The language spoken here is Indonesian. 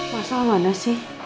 masalah mana sih